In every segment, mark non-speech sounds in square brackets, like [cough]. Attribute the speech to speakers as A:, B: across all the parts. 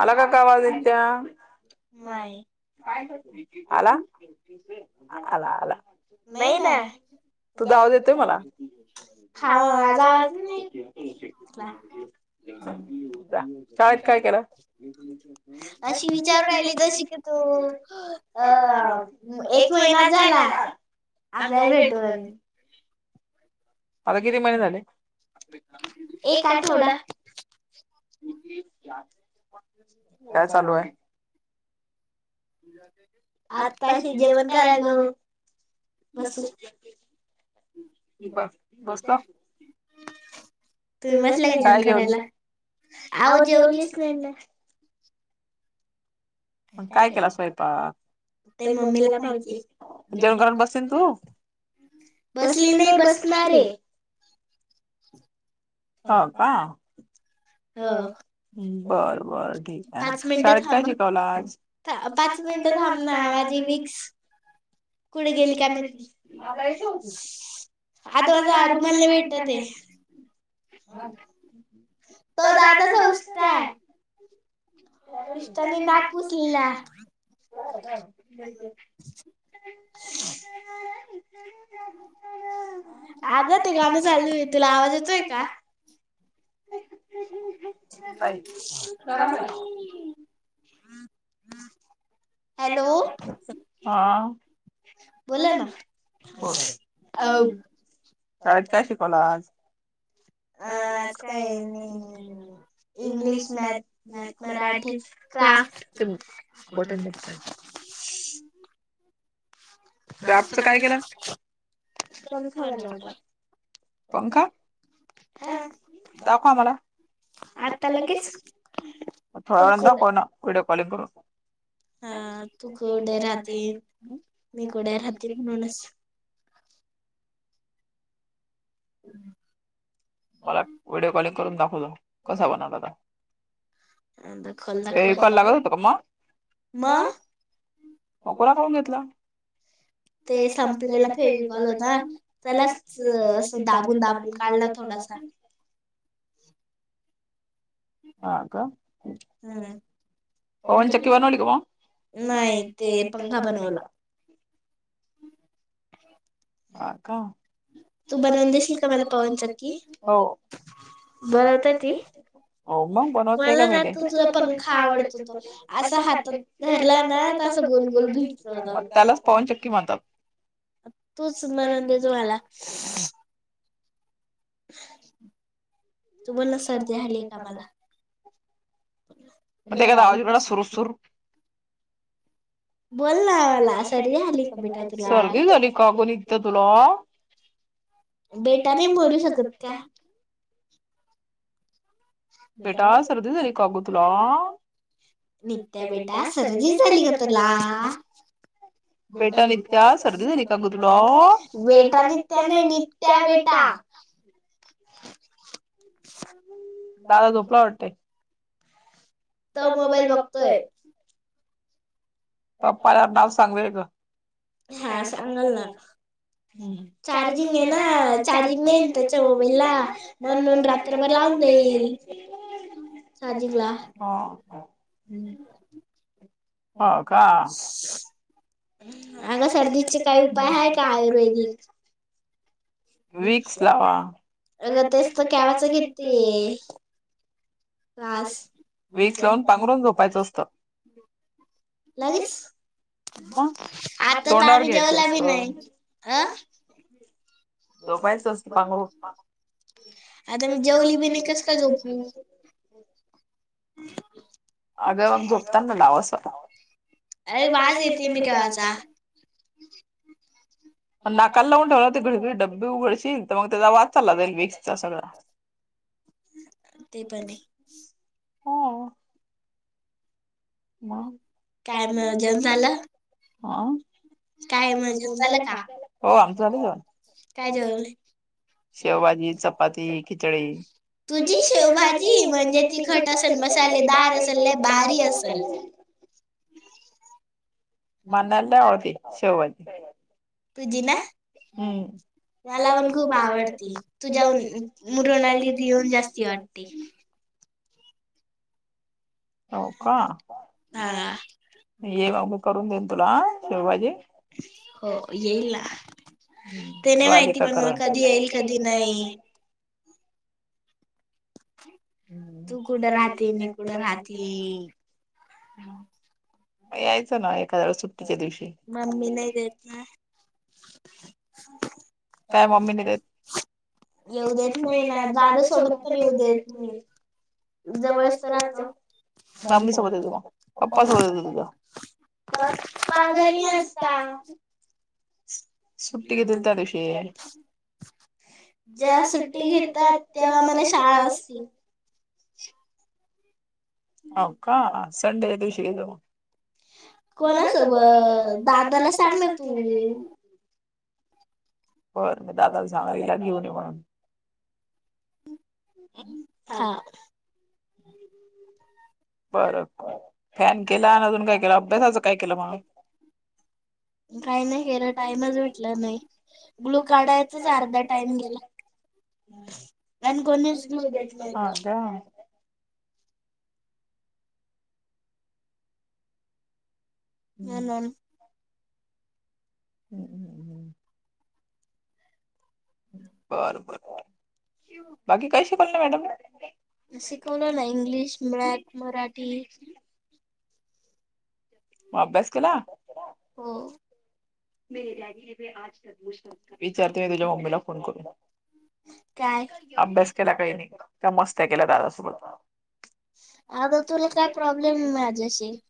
A: आला का का वाज य त्या नाही आलालाला
B: नाही ना
A: तू दाव देतोय मला ह आजाज कायेत काय केरा
B: अशी विचार राहिली जशी की तू अ एक महिनात झाला अर भेटू
A: आता किती महिने झाले एक आठवडा काय चालू आहे
B: त
A: आत्ता हे जेवण करालेत भाऊ बस बसतावं
B: तुम्ही बसलातं का जेवण करायला आवं जेवण इतक्यात
A: इलं मग काय केला स्वयंपाक? त ममला भाची जनगराण बसंतु बसली नाही बसला रे हो का
B: हा
A: बरं बर ठीक आहे शाळेत काय शिकवला आज पाच मिनिट थांबणार आजे मीच गेम कास आबाारी त होतीस आ थोडासा आारू घाला भेटतात आहे तो ददा ससतय त्यांनी दाग पुसली या हो
B: आज ते गाणं चालू आहे तुला आवाज येतय का कराबाई हॅलो
A: बला ना शाळेत काय शिकवला आज इंग्लिश मॅथ मराठी क्राफ्ट
B: कठमट
A: श
B: रातच काय केिला
A: पंखा बनवला पंखा द ख आ म्हाला आता लेच थोड्या वेळ द को ना व्हिडिओ कॉलिंग करून हा तढ राहते
B: मी कठ राहते म्हणूनच हम्
A: मला व्हिडिओ कॉलिंग करून दाखवतो कसा बनलाता कलागत होत का म. अकोला खऊून घेतला
B: श. ते संपलेला फेवीिकल हो ना त्यालाच अस दाबून दाबून काढला थोडासा.
A: ह का पवनचक्की बनवली मग नाही ते पंखा बनवला.
B: [unintelligible]
A: ह का. [unintelligible] हो मग बनवते का माहिती तु पंखा आवडतो असं. [unintelligible]
B: [unintelligible] [unintelligible]
A: [unintelligible]
B: [unintelligible] बेटा नाही बोलू शकत का. [unintelligible]
A: [unintelligible] निघतय बेटा सर्दी झाली का तला. बेटा नित्या सर्दी झाली कागू तुला बेटा नित्या नाही नित्या बेटा दादा झोपला वाटतय.
B: त मोबाईल बघतोय.
A: प्पाला नाव सांगवे हा सांगेल ना. [unintelligible] [unintelligible] हो का.
B: अग सर्दीचे काही उपाय आहे का आयुर्वेदिक. [unintelligible] [unintelligible]
A: [unintelligible]
B: लागच [unintelligible] अ [unintelligible] आता मी जेवली पण नाही का झोपू. [unintelligible]
A: अगं मग झोपत ना लावास. [unintelligible] नाकाल लावून ढवळत घडघ डबे उघडशील तर मग त्यांचा वास चालला जाईल मिक्सचा सगळ. हा. काय मग जेवण झालं. [unintelligible] शेवभाजी चपाती खिचडी.
B: तुझी शेवभाजी म्हणजे ती टिकत असेल, मसाले दार असेल, लई भारी असेल. बल.
A: [unintelligible] [unintelligible] [unintelligible]
B: हो येईल ना. ते नाय माहिती कधी येईल कधी नाय तू कुट राहती, मी कुट राहती
A: [inaudible] यायचं ना एखाद्यास सुट्टीच्या दिवशी.
B: [unintelligible]
A: [unintelligible] जरा मम्मी सोबत येतो मग पप्प सोबत येत तुझ्या. प पागली असता.
B: [inaudible] जेव्हा सुट्टी घेतात तेव्हा मला शाळा असते.
A: हो का सडे दवशी.
B: कोणासोबत दादाला सांगलं तू.
A: बर म दादाला सांगला घेऊन ये म्हणून.
B: हा.
A: बर फॅन केला आणि अजून काय केलं अभ्यासाचं काय केलं मला.
B: काही नाही केला टाइमच भेटला नाही. ग्लू काढायचाच अर्धा टाइम गेला. आणिण कोणीच दू भटलं होत.
A: ह्. हम्मम. बरोबर बाकी काय शिकवल ना मॅडम. [unintelligible] अभ्यास केला. विचारते मी तुझ्या मम्मीला फोन करून अभ्यास केला काही नाही. [unintelligible]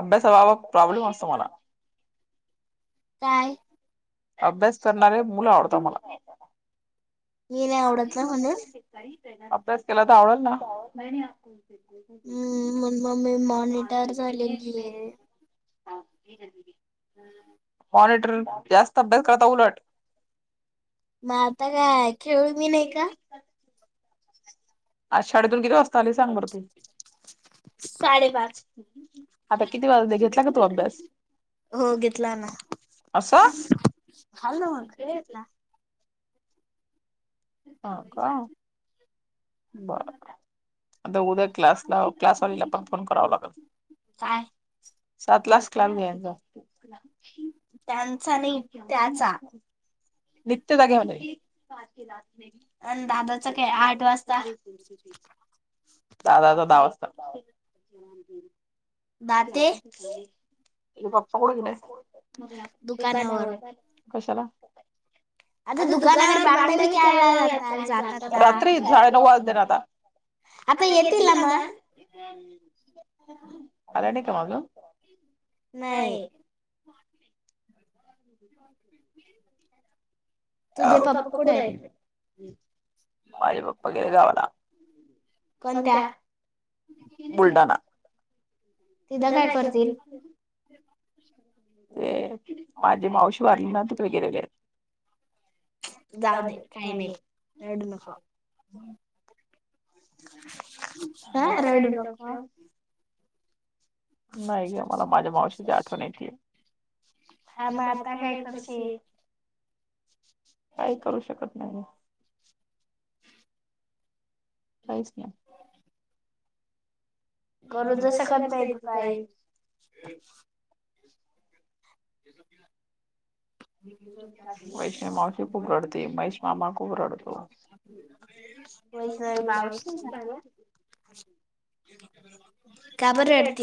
A: अभ्यास बाबा प्रॉब्लेम असतो मला.
B: काय.
A: अभ्यास करणारे मुलं आवडतं मला.
B: ये नाही आवडत ना म्हण.
A: अभ्यास केला तर आवडल ना.
B: हम्म मग मग मी मॉनिटर झालेली आहे.
A: हा हन नी.
B: हम्.
A: मॉनिटर जास्त अभ्यास करता उलट.
B: मग आता काय खेळू मी नाही का.
A: आ शाळेतून किती वास्ता आली सांग बरं तू. साडेपाच आता किती वाजता घेतला का तू अभ्यास. असं अल् म्ह येत. हा का बर. आता उद्या क्लासला क्लासवालीला पण फोन कराव लागतल.
B: कायतला.
A: त्यांचा नाही त्याचा नित्यचा म्हणला. आणि दादाच काय आठ वाजता आहे दादाचा दहा वाजता. त ते. त बाप्पा कोठ गेला दुकाना कशाला. आता दुकानावर बांधवी कयला रात्री साडेनऊ वाज आता. आता येतील ना मग आला नाही का माग.
B: नाही. [inaudible]
A: प्प क आहे माझे पप्पा गर गवला. कोणत्या बुलढाणा. तझ नाही करते ते माझे मावशी. ना वगरे वगैरे.
B: जाऊ दे! काही नाही. रडू नको, ह रडू नको.
A: नाही ग, मला माझ्या मावशीची आठवण एतीये. म आता काय करशी, काही करू शकत नाही. काहीच नाही.
B: करू जसं करता येत काय. [unintelligible]
A: वैशा मावशी खूप रडतीय, महेष मामा खूप रडतो.
B: वैष्णवी मावशी ना?
A: [unintelligible]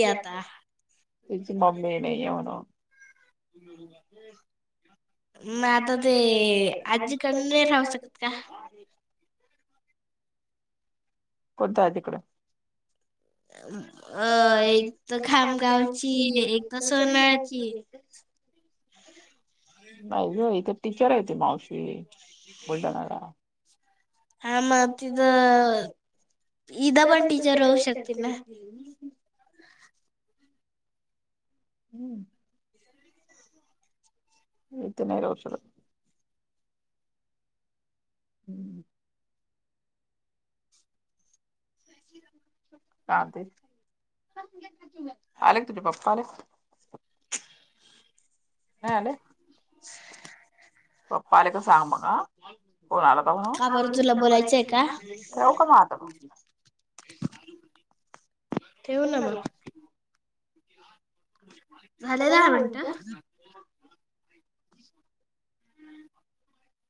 A: त्याची मम्मी नाहीये म्हणावं.
B: [unintelligible] म आता ते, आज्जीकडे नाही राहू शकत का?
A: कोणत्या आजीकडे?
B: [unintelligible]
A: अ एक तर आमगावची सगाव [unintelligible] नाही इथ टीचर आहेेत मावशी.
B: [inaudible] हा म तिथं इदा पण टीचर राहू शकतील ना?
A: ह... हम्म! इथं नाही राहू शकत. हं का ते आले तुझे पप्पा आले. नहीं अल पपा आले की सांग मला आ. कोण आला तुला बलाय ना ठेऊ का मग आता तुला
B: ठेव ना मग. झाले ना दहा मिनिट!